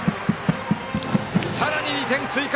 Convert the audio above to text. さらに２点追加！